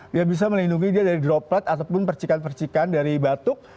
dia bisa melindungi dia dari droplet ataupun percikan percikan dari batuk